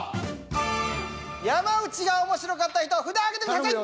山内が面白かった人札を上げてください。